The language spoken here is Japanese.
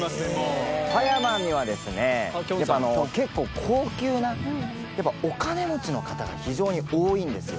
葉山にはですね結構高級なお金持ちの方が非常に多いんですよ